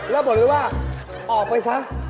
แล้วบอกเลยว่าออกไปซะ